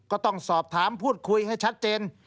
ก็ต้องสอบถามพูดคุยให้ชัดเจน